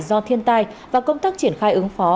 do thiên tai và công tác triển khai ứng phó